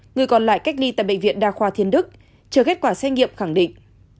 người còn lại cách ly tại bệnh viện đa khoa thiên đức chờ kết quả xét nghiệm khẳng định